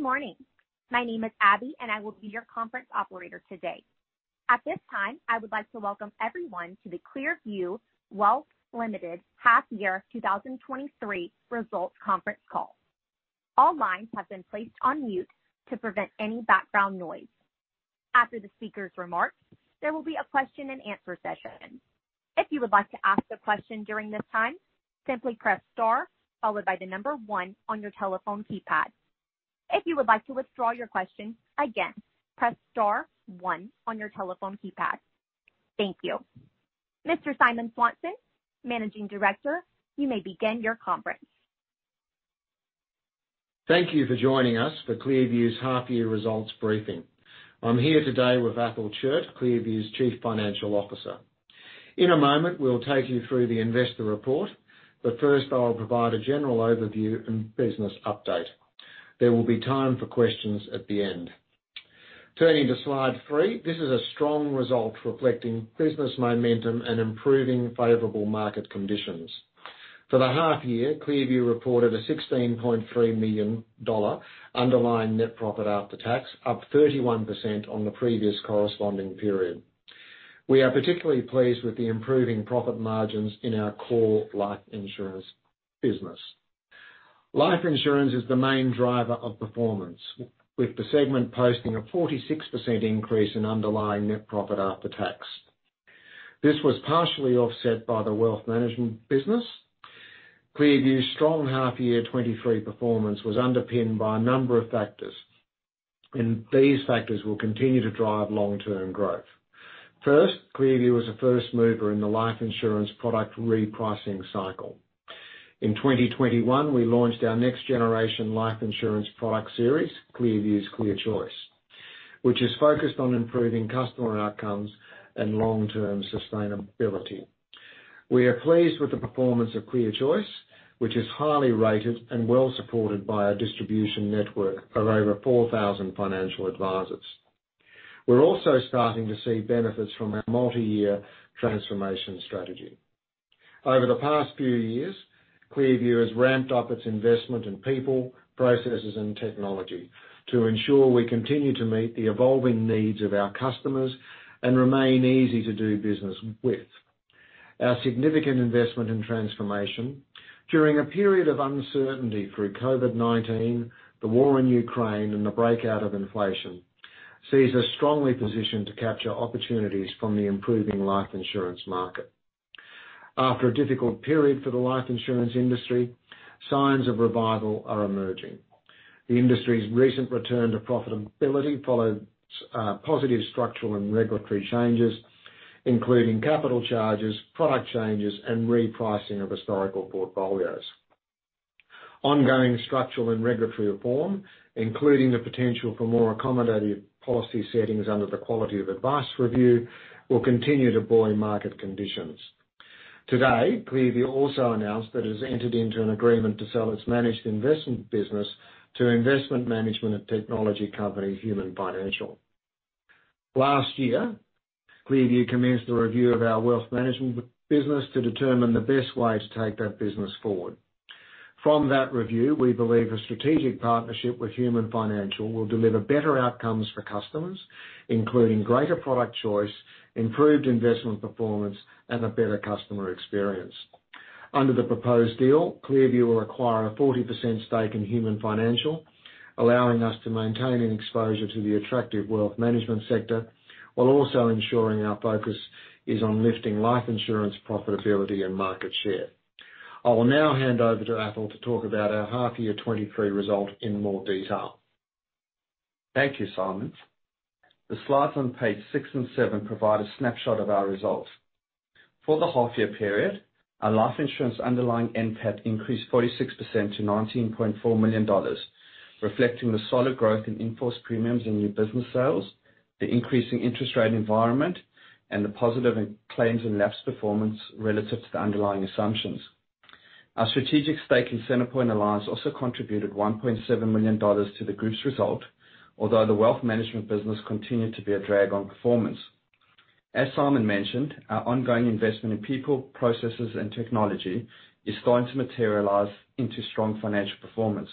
Good morning. My name is Abby, and I will be your conference Operator today. At this time, I would like to welcome everyone to the ClearView Wealth Limited half year 2023 results conference call. All lines have been placed on mute to prevent any background noise. After the speaker's remarks, there will be a question and answer session. If you would like to ask a question during this time, simply press star followed by one on your telephone keypad. If you would like to withdraw your question, again, press star one on your telephone keypad. Thank you. Mr. Simon Swanson, Managing Director, you may begin your conference. Thank you for joining us for ClearView's half year results briefing. I'm here today with Athol Chiert, ClearView's Chief Financial Officer. In a moment, we'll take you through the investor report. First, I'll provide a general overview and business update. There will be time for questions at the end. Turning to slide 3, this is a strong result reflecting business momentum and improving favorable market conditions. For the half year, ClearView reported an 16.3 million dollar underlying net profit after tax, up 31% on the previous corresponding period. We are particularly pleased with the improving profit margins in our core life insurance business. Life insurance is the main driver of performance, with the segment posting a 46% increase in underlying net profit after tax. This was partially offset by the wealth management business. ClearView's strong half year 2023 performance was underpinned by a number of factors, and these factors will continue to drive long-term growth. First, ClearView was a first mover in the life insurance product repricing cycle. In 2021, we launched our next generation life insurance product series, ClearView's ClearChoice, which is focused on improving customer outcomes and long-term sustainability. We are pleased with the performance of ClearChoice, which is highly rated and well-supported by our distribution network of over 4,000 financial advisors. We're also starting to see benefits from our multi-year transformation strategy. Over the past few years, ClearView has ramped up its investment in people, processes, and technology to ensure we continue to meet the evolving needs of our customers and remain easy to do business with. Our significant investment in transformation during a period of uncertainty through COVID-19, the war in Ukraine, and the breakout of inflation sees us strongly positioned to capture opportunities from the improving life insurance market. After a difficult period for the life insurance industry, signs of revival are emerging. The industry's recent return to profitability follows positive structural and regulatory changes, including capital charges, product changes, and repricing of historical portfolios. Ongoing structural and regulatory reform, including the potential for more accommodative policy settings under the Quality of Advice Review, will continue to buoy market conditions. Today, ClearView also announced that it has entered into an agreement to sell its managed investment business to investment management and technology company, Human Financial. Last year, ClearView commenced a review of our wealth management business to determine the best way to take that business forward. From that review, we believe a strategic partnership with Human Financial will deliver better outcomes for customers, including greater product choice, improved investment performance, and a better customer experience. Under the proposed deal, ClearView will acquire a 40% stake in Human Financial, allowing us to maintain an exposure to the attractive wealth management sector while also ensuring our focus is on lifting life insurance profitability and market share. I will now hand over to Athol to talk about our half year 2023 result in more detail. Thank you, Simon. The slides on page six and seven provide a snapshot of our results. For the half year period, our life insurance underlying NPAT increased 46% to 19.4 million dollars, reflecting the solid growth in in-force premiums and new business sales, the increasing interest rate environment, and the positive claims and lapse performance relative to the underlying assumptions. Our strategic stake in Centrepoint Alliance also contributed 1.7 million dollars to the group's result, although the wealth management business continued to be a drag on performance. As Simon mentioned, our ongoing investment in people, processes, and technology is starting to materialize into strong financial performance.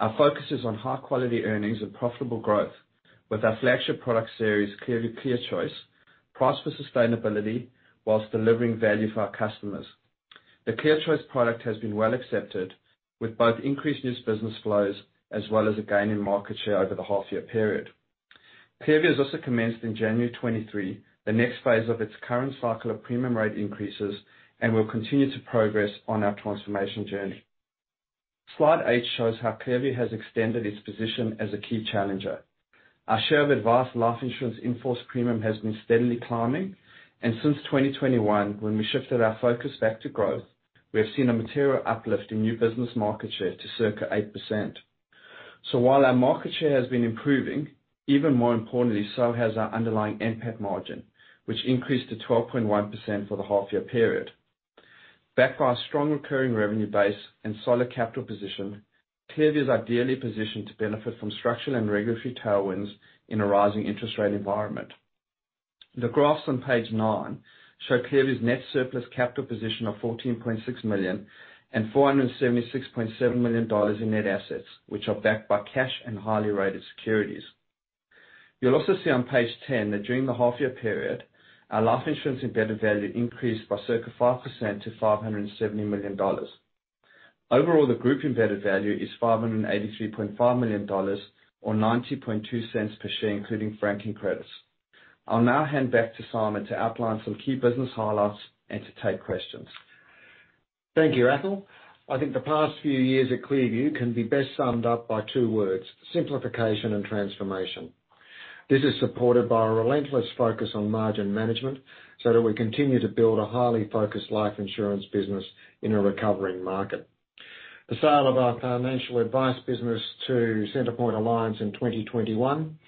Our focus is on high quality earnings and profitable growth with our flagship product series, ClearView ClearChoice, priced for sustainability whilst delivering value for our customers. The ClearChoice product has been well accepted with both increased new business flows as well as a gain in market share over the half year period. ClearView has also commenced in January 2023, the next phase of its current cycle of premium rate increases and will continue to progress on our transformation journey. Slide eight shows how ClearView has extended its position as a key challenger. Our share of advanced life insurance in-force premium has been steadily climbing, and since 2021, when we shifted our focus back to growth, we have seen a material uplift in new business market share to circa 8%. While our market share has been improving, even more importantly, so has our underlying NPAT margin, which increased to 12.1% for the half year period. Backed by a strong recurring revenue base and solid capital position, ClearView is ideally positioned to benefit from structural and regulatory tailwinds in a rising interest rate environment. The graphs on page nine show ClearView's net surplus capital position of 14.6 million and 476.7 million dollars in net assets, which are backed by cash and highly rated securities. You'll also see on page 10 that during the half year period, our life insurance Embedded Value increased by circa 5% to 570 million dollars. Overall, the group Embedded Value is 583.5 million dollars or 0.902 per share, including franking credits. I'll now hand back to Simon to outline some key business highlights and to take questions. Thank you, Athol. I think the past two years at ClearView can be best summed up by two words: simplification and transformation. This is supported by a relentless focus on margin management, so that we continue to build a highly focused life insurance business in a recovering market. The sale of our financial advice business to Centrepoint Alliance in 2021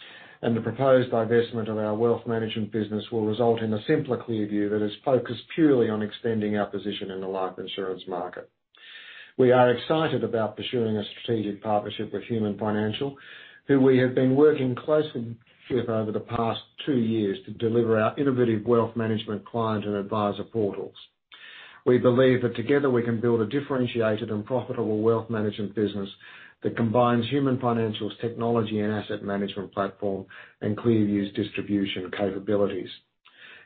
and the proposed divestment of our wealth management business will result in a simpler ClearView that is focused purely on extending our position in the life insurance market. We are excited about pursuing a strategic partnership with Human Financial, who we have been working closely with over the past two years to deliver our innovative wealth management client and advisor portals. We believe that together we can build a differentiated and profitable wealth management business that combines Human Financial's technology and asset management platform and ClearView's distribution capabilities.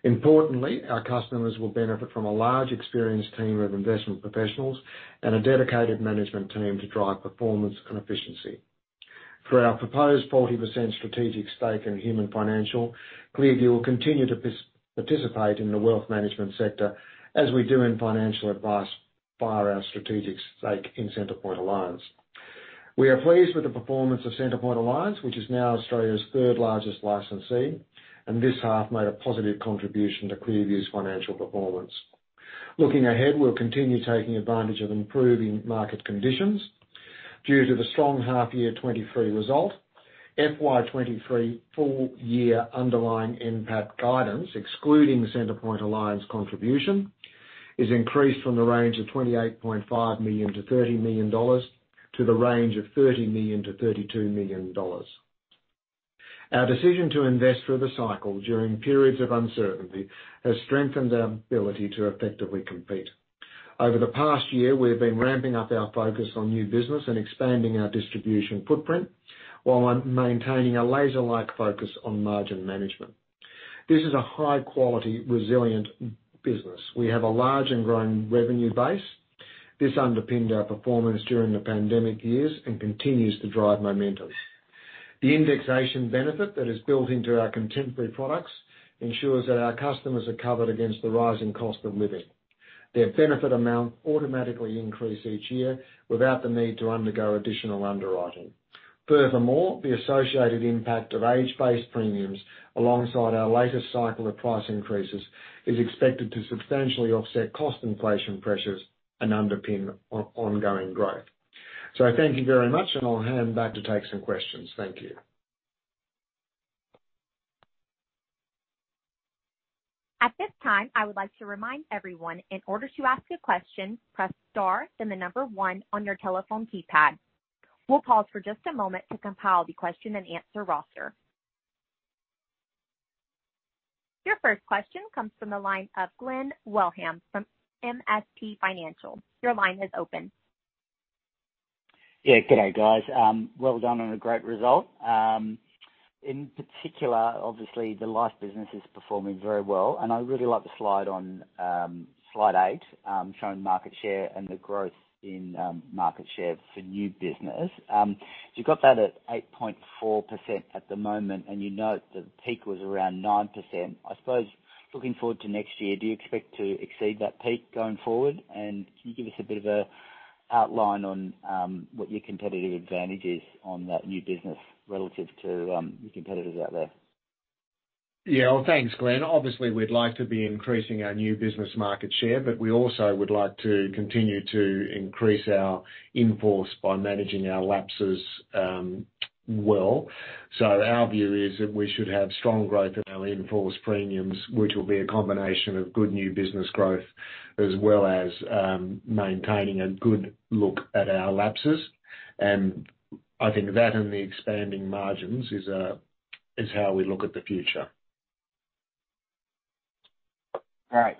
Importantly, our customers will benefit from a large, experienced team of investment professionals and a dedicated management team to drive performance and efficiency. For our proposed 40% strategic stake in Human Financial, ClearView will continue to participate in the wealth management sector as we do in financial advice via our strategic stake in Centrepoint Alliance. We are pleased with the performance of Centrepoint Alliance, which is now Australia's third largest licensee, and this half made a positive contribution to ClearView's financial performance. Looking ahead, we'll continue taking advantage of improving market conditions due to the strong half year 2023 result. FY 2023 full year underlying NPAT guidance, excluding the Centrepoint Alliance contribution, is increased from the range of 28.5 million-30 million dollars to the range of 30 million-32 million dollars. Our decision to invest through the cycle during periods of uncertainty has strengthened our ability to effectively compete. Over the past year, we have been ramping up our focus on new business and expanding our distribution footprint while maintaining a laser-like focus on margin management. This is a high quality, resilient business. We have a large and growing revenue base. This underpinned our performance during the pandemic years and continues to drive momentum. The indexation benefit that is built into our contemporary products ensures that our customers are covered against the rising cost of living. Their benefit amount automatically increase each year without the need to undergo additional underwriting. Furthermore, the associated impact of age-based premiums alongside our latest cycle of price increases is expected to substantially offset cost inflation pressures and underpin ongoing growth. Thank you very much, and I'll hand back to take some questions. Thank you. At this time, I would like to remind everyone, in order to ask a question, press star then the number 1 on your telephone keypad. We'll pause for just a moment to compile the question and answer roster. Your first question comes from the line of Glen Wellham from MST Financial. Your line is open. Yeah. Good day, guys. Well done on a great result. In particular, obviously, the life business is performing very well, and I really like the slide on slide eight showing market share and the growth in market share for new business. You've got that at 8.4% at the moment, and you note the peak was around 9%. I suppose, looking forward to next year, do you expect to exceed that peak going forward? Can you give us a bit of a outline on what your competitive advantage is on that new business relative to your competitors out there? Well, thanks, Glen. Obviously, we'd like to be increasing our new business market share, but we also would like to continue to increase our in-force by managing our lapses, well. Our view is that we should have strong growth in our in-force premiums, which will be a combination of good new business growth as well as maintaining a good look at our lapses. I think that and the expanding margins is how we look at the future. All right.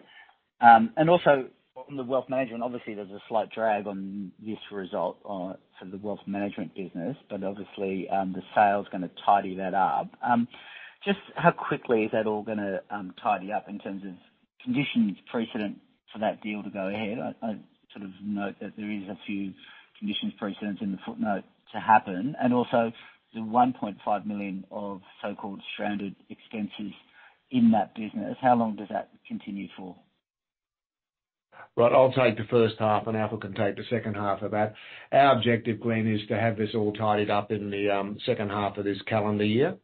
Also on the wealth management, obviously there's a slight drag on this result on, for the wealth management business, obviously, the sale's gonna tidy that up. Just how quickly is that all gonna tidy up in terms of conditions precedent for that deal to go ahead? I sort of note that there is a few conditions precedents in the footnote to happen. Also the 1.5 million of so-called stranded expenses in that business, how long does that continue for? I'll take the first half, and Athol can take the second half of that. Our objective, Glen, is to have this all tidied up in the second half of this calendar year.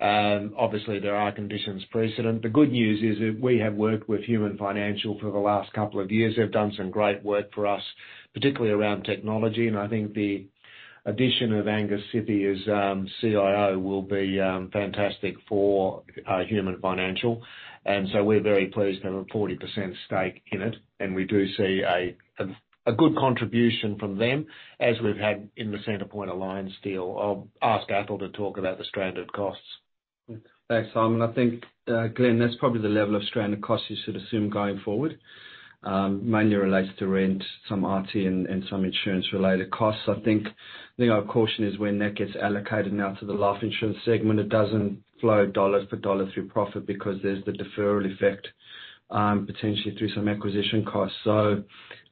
Obviously there are conditions precedent. The good news is that we have worked with Human Financial for the last couple of years. They've done some great work for us, particularly around technology, and I think the addition of Athol Chiert, CIO will be fantastic for Human Financial. We're very pleased to have a 40% stake in it, and we do see a good contribution from them as we've had in the Centrepoint Alliance deal. I'll ask Athol to talk about the stranded costs. Thanks, Simon. I think, Glen, that's probably the level of stranded costs you should assume going forward. mainly relates to rent, some IT and some insurance related costs. I think our caution is when that gets allocated now to the life insurance segment, it doesn't flow dollar-for-dollar through profit because there's the deferral effect, potentially through some acquisition costs.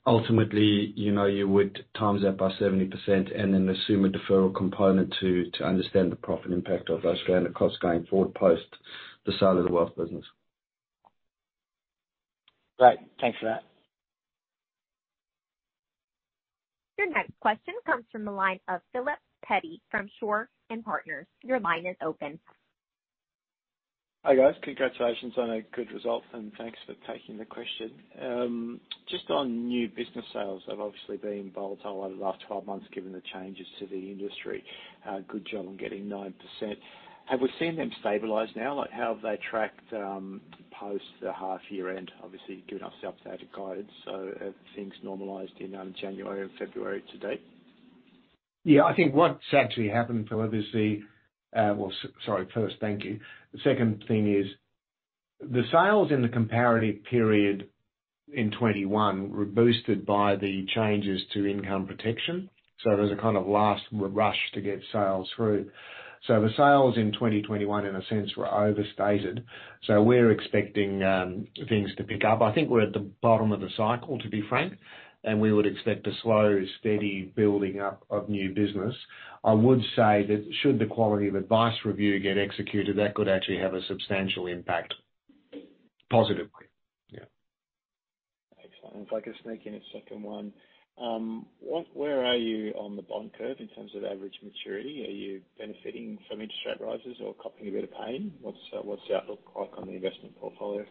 Ultimately, you know, you would times that by 70% and then assume a deferral component to understand the profit impact of those stranded costs going forward post the sale of the wealth business. Great. Thanks for that. Your next question comes from the line of Phillip Pepe from Shaw and Partners. Your line is open. Hi, guys. Congratulations on a good result, and thanks for taking the question. Just on new business sales have obviously been volatile over the last 12 months given the changes to the industry. Good job on getting 9%. Have we seen them stabilize now? Like, how have they tracked post the half year end? Obviously, given our self-guided guidance, have things normalized in January and February to date? I think what's actually happened, Phillip. Well, first, thank you. The second thing is the sales in the comparative period in 21 were boosted by the changes to Income Protection. It was a kind of last rush to get sales through. The sales in 2021, in a sense, were overstated. We're expecting things to pick up. I think we're at the bottom of the cycle, to be frank, and we would expect a slow, steady building up of new business. I would say that should the Quality of Advice Review get executed, that could actually have a substantial impact positively. Excellent. If I could sneak in a second one. Where are you on the bond curve in terms of average maturity? Are you benefiting from interest rate rises or copping a bit of pain? What's, what's the outlook like on the investment portfolio?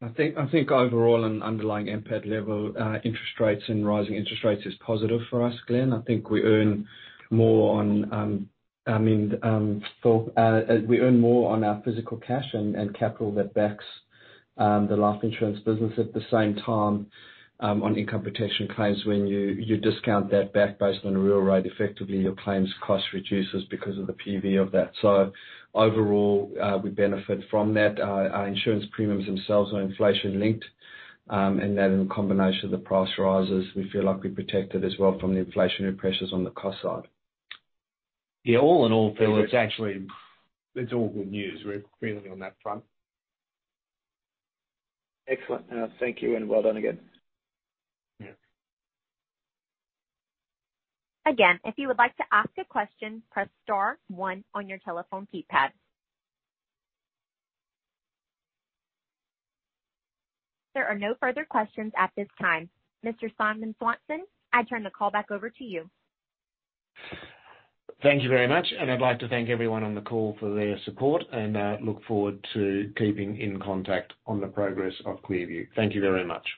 I think overall and underlying NPAT level, interest rates and rising interest rates is positive for us, Glen. I think we earn more on, I mean, Phil, we earn more on our physical cash and capital that backs the life insurance business at the same time, on Income Protection claims. When you discount that back based on real rate, effectively, your claims cost reduces because of the PV of that. Overall, we benefit from that. Our insurance premiums themselves are inflation-linked, and that in combination of the price rises, we feel like we're protected as well from the inflationary pressures on the cost side. Yeah, all in all, Phillip, it's actually, it's all good news. We're really on that front. Excellent. thank you and well done again. Yeah. If you would like to ask a question, press star one on your telephone keypad. There are no further questions at this time. Mr. Simon Swanson, I turn the call back over to you. Thank you very much. I'd like to thank everyone on the call for their support, and look forward to keeping in contact on the progress of ClearView. Thank you very much.